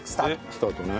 スタートね。